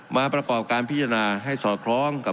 ประกอบการพิจารณาให้สอดคล้องกับ